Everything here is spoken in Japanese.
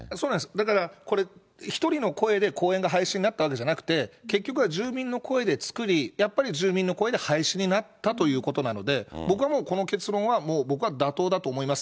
だからこれ、１人の声で公園が廃止になったわけじゃなくて、結局は住民の声で作り、やっぱり住民の声で廃止になったということなので、僕はもうこの結論は、もう僕は妥当だと思います。